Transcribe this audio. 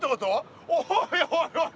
おいおいおい